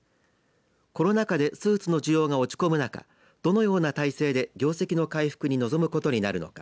コロナ禍でスーツの需要が落ち込む中どのような体制で業績の回復に臨むことになるのか。